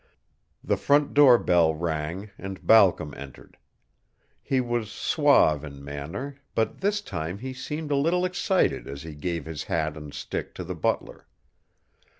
The front door bell rang and Balcom entered. He was suave in manner, but this time he seemed a little excited as he gave his hat and stick to the butler.